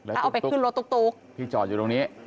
แล้วเอาไปขึ้นรถตุ๊กที่จอดอยู่ตรงนี้